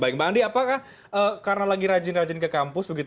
baik mbak andi apakah karena lagi rajin rajin ke kampus